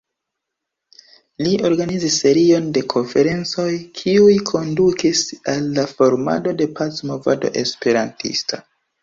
Li organizis serion de konferencoj kiuj kondukis al la formado de pac-movado esperantista.